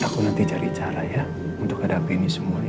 aku nanti cari cara ya untuk hadapi ini semua